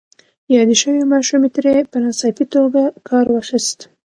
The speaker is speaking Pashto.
يادې شوې ماشومې ترې په ناڅاپي توګه کار واخيست.